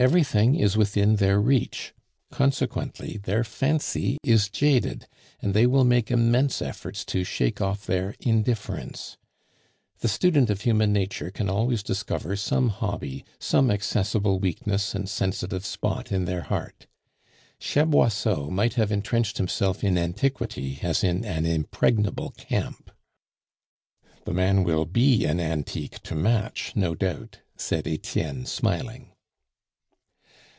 Everything is within their reach, consequently their fancy is jaded, and they will make immense efforts to shake off their indifference. The student of human nature can always discover some hobby, some accessible weakness and sensitive spot in their heart. Chaboisseau might have entrenched himself in antiquity as in an impregnable camp. "The man will be an antique to match, no doubt," said Etienne, smiling.